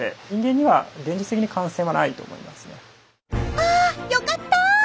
あよかった。